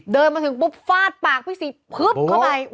เดินมาถึงปุ๊บฟาดปากพี่ศรีพึบเข้าไป